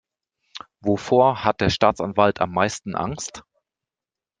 Wovor hat der Staatsanwalt am meisten Angst?